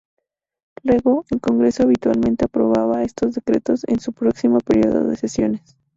Luego, el Congreso habitualmente aprobaba estos decretos en su próximo período de sesiones.